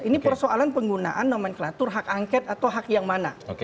ini persoalan penggunaan nomenklatur hak angket atau hak yang mana